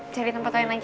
cari tempat lain lagi yuk